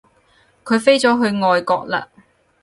佢飛咗去外國喇